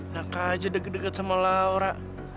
naka aja deget deget sama laura